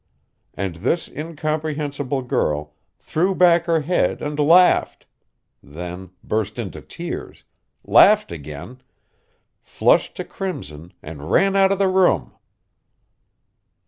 And this incomprehensible girl threw back her head and laughed; then burst into tears, laughed again, flushed to crimson and ran out of the room.